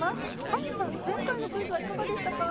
菅さん前回のクイズはいかがでしたか？